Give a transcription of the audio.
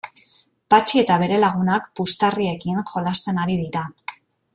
Patxi eta bere lagunak puxtarriekin jolasten ari dira.